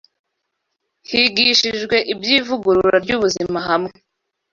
higishirijwe iby’ivugurura ry’ubuzima hamwe